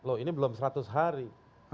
loh ini belum seratus hari